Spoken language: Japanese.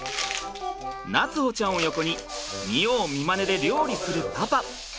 夏歩ちゃんを横に見よう見まねで料理するパパ。